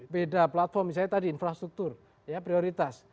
beda platform misalnya tadi infrastruktur ya prioritas